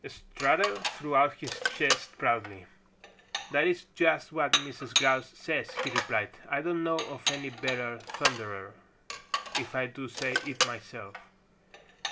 Strutter threw out his chest proudly. "That is just what Mrs. Grouse says," he replied. "I don't know of any better thunderer if I do say it myself."